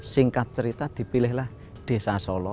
singkat cerita dipilihlah desa solo